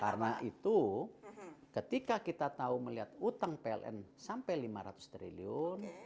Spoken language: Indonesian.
karena itu ketika kita tahu melihat hutang pln sampai rp lima ratus triliun